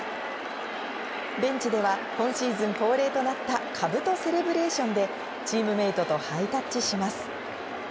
ベンチでは今シーズン恒例となった、かぶとセレブレーションでチームメートとハイタッチします。